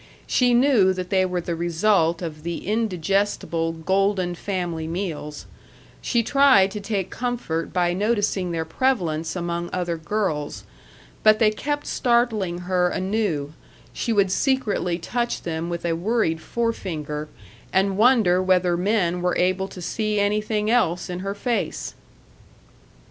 She knew that they were the result of the indigestible Golden family meals; she tried to take comfort by noticing their prevalence among other girls; but they kept startling her anew; she would secretly touch them with a worried forefinger, and wonder whether men were able to see anything else in her face.